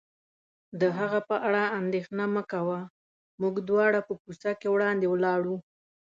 د هغه په اړه اندېښنه مه کوه، موږ دواړه په کوڅه کې وړاندې ولاړو.